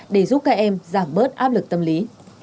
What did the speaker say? để giúp các em giảm bớt áp lực tâm lý